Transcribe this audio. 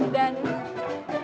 dan tentu saja tarian ini